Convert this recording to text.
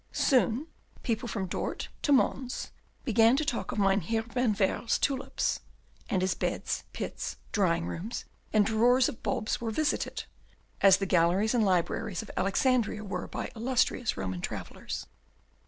Soon people from Dort to Mons began to talk of Mynheer van Baerle's tulips; and his beds, pits, drying rooms, and drawers of bulbs were visited, as the galleries and libraries of Alexandria were by illustrious Roman travellers.